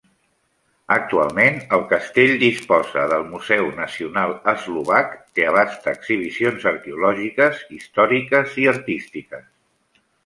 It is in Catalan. Actualment, el castell disposa del Museu Nacional Eslovac, que abasta exhibicions arqueològiques, històriques i artístiques.